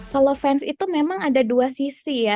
kalau fans itu memang ada dua sisi ya